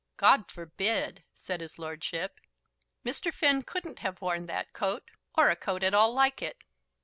"God forbid!" said his lordship. "Mr. Finn couldn't have worn that coat, or a coat at all like it."